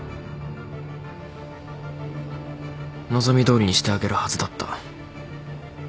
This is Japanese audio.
望みどおりにしてあげるはずだった。